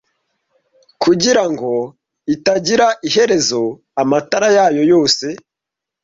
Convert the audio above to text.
kugirango itagira iherezo amatara yayo yose